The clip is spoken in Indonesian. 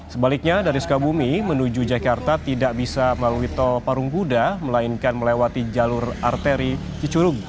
sebaliknya dari sukabumi menuju jakarta tidak bisa melalui tol parung buddha melainkan melewati jalur arteri cicurug